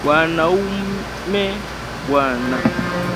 Wanaume bwana